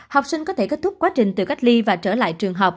học sinh có thể kết thúc quá trình tự cách ly và trở lại trường học